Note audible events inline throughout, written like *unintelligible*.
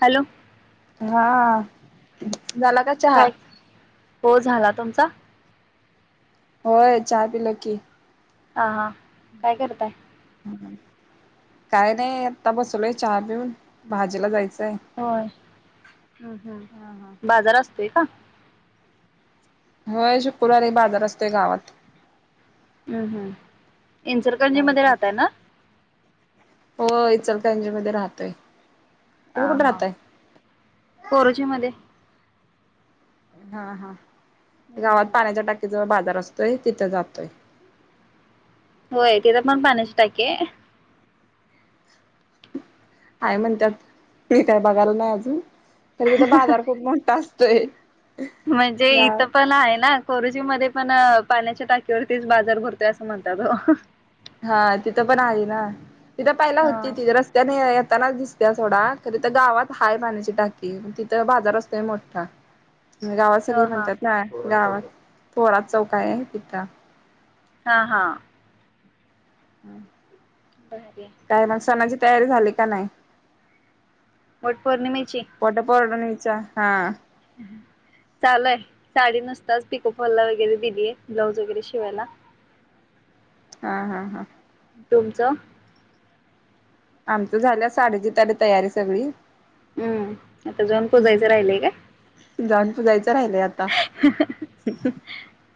Hello हा झाला का चहा काय हो झाला तुमचा होय, चहा पिलो की, हा हा, काय करताय. काय नाही, आता बसलोय चहा पिऊन, भाजीला जायचय होय, हम्म, हा हा हम्म बाजार असतोय का. होय शुक्रवारी बाजार असतोय गावात, हम्म, हम्म इनचलकंरजी गावात मध्ये जाता. राहतय ना. हो ईचल करजी मध्ये राहतोय,. अ, तुम्ही कुठे ह राहताय कोरोची मध्ये. हा, हा, गावात पाण्याच्या टाकी जवळ बाजार. सतोय, तिथं जातोय. होय, तिथं पण पान्याची टाकीय हाय म्हणत्यात, मी काय बघायला नाही अजून तर तिथं बाजार खूप मोठा असतोय, म्हणजे या इथं पण आहे ना कोरोची मध्ये पण पाण्याच्या टाकीवरतीच बाजार भरतोय असं म्हणतात होऽऽ हा तिथं पण आहे ना, तिथं पहिला होती ति रस्त्यानेऽऽ त्यानाच दिसत्या सोडा, खरं त्या गावात हाय पाण्याची टाकी तिथं बाजार असतोय मोठा *unintelligible* गावात ह ह सगळी हा म्हणत्यात नाय, गावात थोरात चौक आय तिथं हा हा. बर काय मग सणाची तयारी झाली का नाई? वट पौर्णिमेची च्या हा चालू आय, साडी नुसताच पिकोफॉलला वगैरे दिलीये, ब्लाऊज वगैरे शिवायला. हा हा हा. तुमचं आमचं झाल्या साडीची *unintelligible* तयारी सगळी हम्म, आता जाऊन पुजायचं राहिलय काय? जावून पूजायच राहिलंय आता,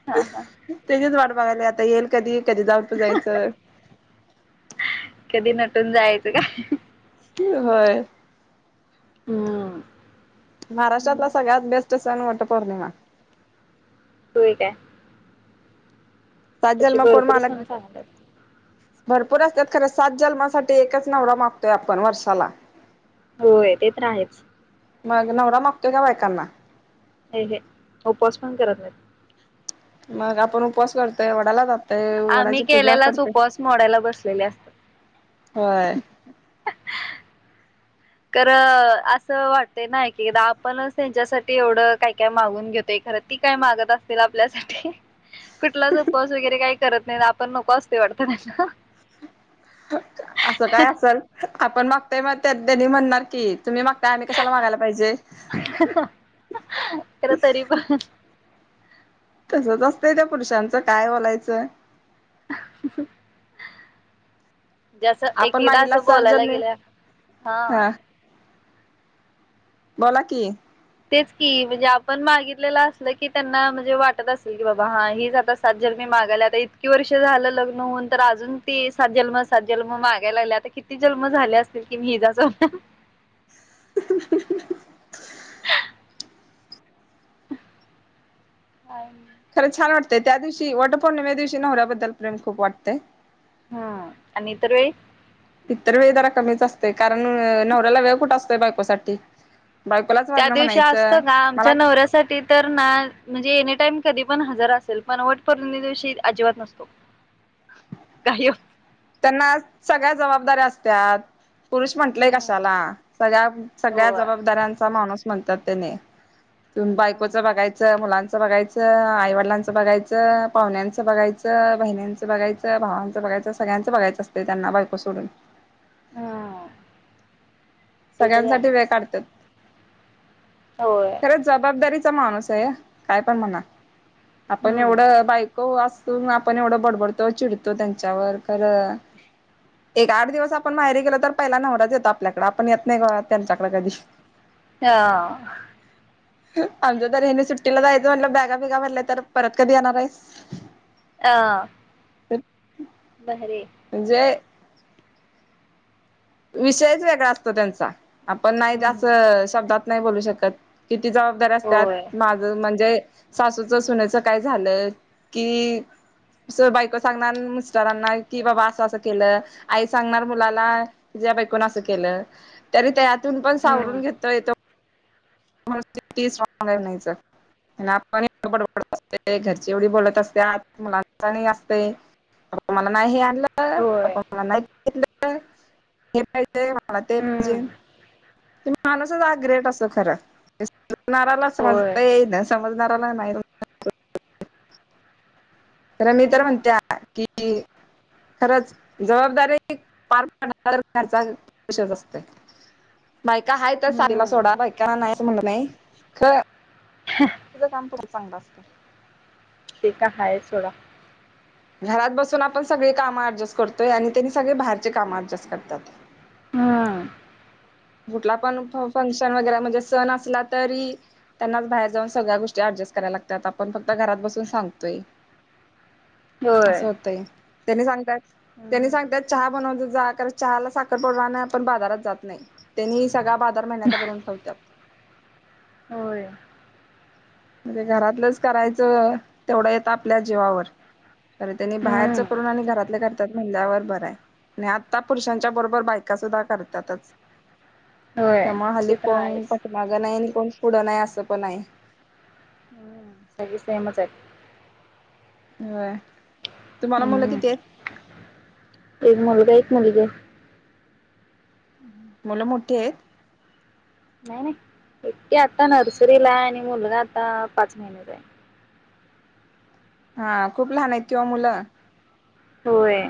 हा हा तेजिच वाट बघायलोय आता येईल कधी, कधी जाऊन पूजायचं? कधी नटून जायचं काय *unintelligible* होय. हम्म. महाराष्ट्रातला म सगळ्यात बेस्ट सण वट पौर्णिमा होय काय? सात तसे जन्म कोण भरपूर मानक सण सांगतात भरपूर असत्यात, खरं सात जन्मासाठी एकच नवरा मागतोय आपण वर्षाला होय, ते तर आहेच मग नवरा मागतोय का बायकांना? हे हे उपवास पण करत नाईत. मग आपण उपवास करतोय, वडाला जात आम्ही केलेलाच उपवास मोडायला बसलेले असत्यात. होय. करं असं वाटतय ना एकएकदा आपणच त्यांच्यासाठी एवढं काय काय मागून घेतोय खरं ती काय मागत असतील आपल्यासाठी कुठलाच उपवास वगैरे काही करत नाहीत, आपण नको असते वाडत ते असं काय असल, आपण मागतोय मग त्या त्येनी म्हणणार की तुम्ही मागताय आम्ही कशाला मागायला पाहिजे खर तरी प तसच असतंय त्या पुरुषांचं काय बोलायचं. *inaudible* जे जसं आपण एकएकदा मागितला असं सात बोलायला जन्मी गेल्या हा बोला की तेच की म्हणजे आपण मागितलेलं असलं की त्यांना म्हणजे वाटत असल की बाबा हा हीच आता सात जन्मी मागाल्या आता इतकी वर्ष झाल लग्न हून, तर आजून ती सात जन्म, सात जन्म मागाय लागल्या आता किती जन जलम झाले असतील की मी हिजाच होणार *inaudible* *unintelligible* खरं छान वाटतय त्या दिवशी वटपौर्णिमे दिवशी नवऱ्याबद्दल प्रेम खूप वाटतंय. ह आणि इतर वेळी इतर वेळी जरा कमीच असतय कारण नवऱ्याला वेळ कुठ असतोय बायकोसाठी बायकोलाच त्या वरण दिवशी असत म्हणायचं का? मला आमच्या नवऱ्यासाठी तर ना म्हणजे एनी टाइम कधी पण हजार असेल पण वटपौर्णिमे दिवशी अजिबात नसतो, गायब त्यांना सगळ्या जबाबदाऱ्या असत्यात. पुरुष म्हंटलेय कशाला, सगळ्या सगळ्या होय जबाबदाऱ्यांचा माणूस म्हणत्यात तेनी युन बायकोच बघायच, मुलां बघायचं, आईवडलांचं बघायचं, पाहुण्यांचं बघायचं, बहिनंचं बघायचं, भावांचं बघायचं, स सगळ्यांच बघायचं असते त्यांना बायको सोडून. हा.... सगळ्यांसाठी वेळ काढत्यात. होय खरंच जबाबदारीचा माणूस आहे काय पण म्हणा. अपण हम्म एवढ बायको *unintelligible* आपण एवढं बडबडतो चिडतो त्यांच्यावर खरं एक आठ दिवस आपण माहेरी गेलो तर पहिला नवराच येतो आपल्याकडे आपण येत नाही कवा- त्यांच्याकडे कधी हा... आमच्या तर हेनी सुट्टीला जायचं म्हटलं बॅगा बिघा भरल्याय तर परत कधी येणार आहेस. आ.. *inaudible* म्हणजे? विषयच वेगळा असतो त्यांचा आपण नाही जा- हम्म असं शब्दात नाही बोलू शकत. किती जबाबदारी असत्यात, होय माझं म्हणजे सासूचं- सुनचं काय झालं कि? अस बायको सांगणार मिस्टरांना कि बाबा असं -असं केलं आई सांगणार मुलाला ज्या बायकोन असं केलं, तरी त्यातून पण हम्म सावरून घेता येतो *unintelligible* आपण -इकडं -बडबडत -असतोय -घरची एवढी बोलत असत्यात मुलांचा आणि असतय *unintelligible* होय ते *unintelligible* मला ते पाहिजे हम्म तो माणूसच आ ग्रेट ते असं खरं समजणाऱ्याला तर होय समजतय आणि ना समजणाऱ्याला नाही *unintelligible* तर मी तर हम्म म्हणत- कि *unintelligible* खरंच जबाबदारी पार *unintelligible* पड खर्चाशच असते बायका आहे तर साडीला हम्म सोडा बायका नाही म्हणलं नाही ख *unintelligible* तिचं काम पण चांगलं असतय *unintelligible* ते काय हायच सोडा *inaudible* घरात बसून आपण सगळे काम ऍडजस्ट करतोय आणि त्यांनी सगळे बाहेरचे काम ऍडजस्ट करत्यात. हा... कुठला पण- फंक्शन वगैरे म्हणजे सण असला तरी त्यांनाच बाहेर जाऊन सगळ्या गोष्टी अजस्ट कराय लागत्यात, आपण फक्त घरात बसून सांगतोय. अस होय होतय.. त्यांनी सांगतात -त्यांनी हम्म सांगतात चहा बनवजा जा कारण चहाला साखर पावडर आणाय आपण बाजारात जात नाही. त्यांनी सगळा बाजार महिन्याचा भरवून ठेवत्यात. *inaudible* होय म्हणजे घरातलंच करायचं तेवढं येत आपल्या जीवावर खरं त्यांनी बाहेरचं हम्म करून आणि घरातल्या करतात म्हल्यावर बरंय नाही आत्ता पुरुषांच्या बरोबर बायका सुुद्धा करत्यातच. होय त्यामुळे हल्ली ते तर कोण आहेच पाठीमाग नाही आणि कोण पुढं नाही असं पण आहे. हम्म सगळे सेमच आहेत होय... तुम्हाला मुलं हम्म किती आहेत? एक मुलगा -एक मुलगी आहे. मुलं मोठी आहेत? नाही -नाही एकटी आता नर्सरीला आणि मुलगा आता पाच महिन्याचा आहे. हा खूप लहान आहेत कि ओ मुलं. होय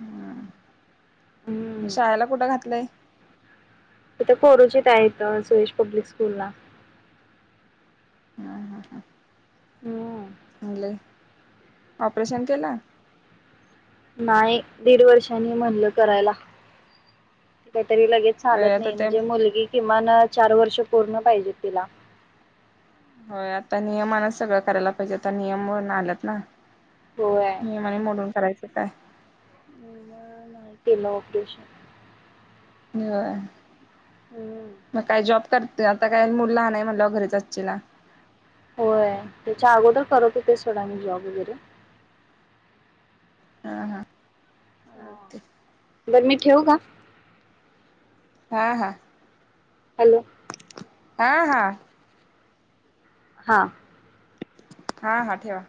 हम्म... हम्म शाळेला कुठं घातलाय? तिथं कोरोचीत आहेत सुरेश पब्लिक स्कूलला. हम्म -हम्म -हम्म. हम्म... आले *inaudible* ऑपरेशन केलं? नाही दीड वर्षांनी म्हणलं करायला- *inaudible* ते काय तरी लगेच होय चालत आता नाही ते म्हणजे मुलगी किमान चार वर्ष पूर्ण पाहिजेतं तिला होय आता नियमानच सगळं करायला पाहिजेत आता नियमून आल्यात ना. होय नाही म्हणून करायचं काय. गेलो ऑफिस *unintelligible* हम्म. मग काय जॉब कर. त आता काय मुल लहान हाय म्हटल्याव घरीच आसचीला होय त्याच्या अगोदर करत होते सोडा मी जॉब वगैरे. अ हां बरं मी ठेवू का? हां हां हॅलो. आं हा. हां. हां हां ठेवा.